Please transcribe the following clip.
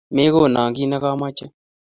Megono kiit nagameche